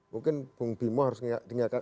mungkin bung bimo harus dinyatakan